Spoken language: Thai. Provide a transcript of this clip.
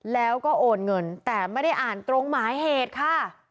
แล้วก็โอนเงินแต่ไม่ได้อ่านตรงหมายเหตุค่ะ